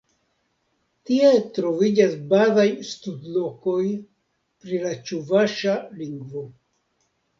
Tie troviĝas bazaj studlokoj pri la ĉuvaŝa lingvo.